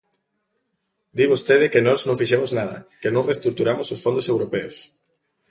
Di vostede que nós non fixemos nada, que non reestruturamos os fondos europeos.